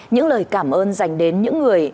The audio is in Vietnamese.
những lời cảm ơn dành đến những người